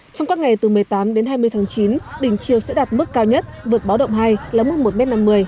trong các ngày từ một mươi tám đến hai mươi tháng chín đỉnh chiều sẽ đạt mức cao nhất vượt báo động hai là mức một năm mươi m